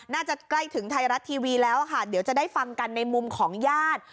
น่าจะใกล้ถึงไทยรัฐทีวีแล้วค่ะเดี๋ยวจะได้ฟังกันในมุมของญาติ